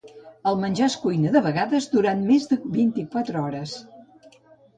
El menjar es cuina de vegades durant més de vint-i-quatre hores.